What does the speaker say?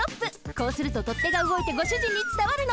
こうするととってがうごいてごしゅじんにつたわるの！